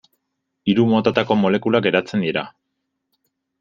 Hiru motatako molekulak eratzen dira.